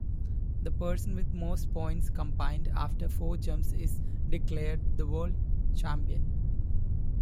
The person with most points combined after four jumps is declared the World Champion.